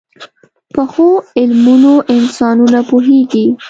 پخو علمونو انسانونه پوهيږي